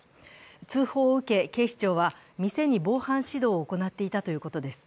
通報を受け、警視庁は店に防犯指導を行っていたということです。